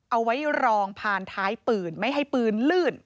เอาไว้รองผ่านท้ายปืนไม่ให้ปืนลื่น